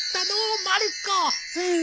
うん。